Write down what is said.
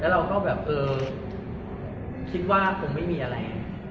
และเราก็แบบแบบแล้วคิดว่าคงไม่มีอะไร